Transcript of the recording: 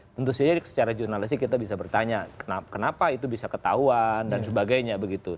tentu saja secara jurnalistik kita bisa bertanya kenapa itu bisa ketahuan dan sebagainya begitu